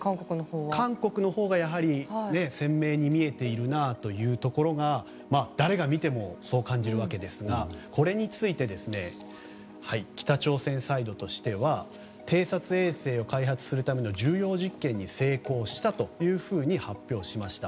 やはり韓国のほうが鮮明に見えているなというのは誰が見てもそう感じるわけですがこれについて北朝鮮サイドとしては偵察衛星を開発するための重要実験に成功したというふうに発表しました。